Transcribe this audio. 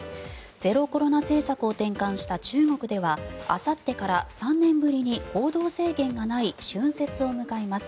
ゼロコロナ政策を転換した中国ではあさってから３年ぶりに行動制限がない春節を迎えます。